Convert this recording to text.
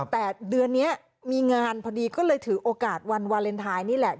แต่เดือนนี้มีงานพอดีก็เลยถือโอกาสวันวาเลนไทยนี่แหละ